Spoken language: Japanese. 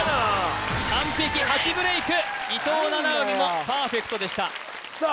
完璧８ブレイク伊藤七海もパーフェクトでしたさあ